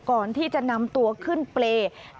ก่อนที่จะนำตัวขึ้นเปรย์